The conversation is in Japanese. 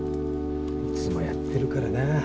いつもやってるからな。